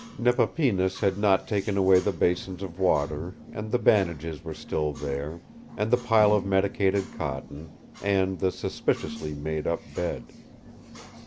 Nepapinas had not taken away the basins of water, and the bandages were still there, and the pile of medicated cotton, and the suspiciously made up bed.